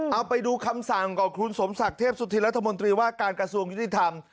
เอาไปดูคำสั่งของคุณสมศักดิ์เทพสุธินรัฐมนตรีว่าการกระทรวงยุติธรรม